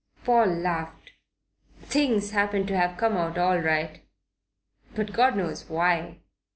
Paul laughed. "Things happen to have come out all right, but God knows why."